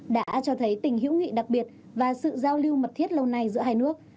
đã cho thấy tình hữu nghị đặc biệt và sự giao lưu mật thiết lâu nay giữa hai nước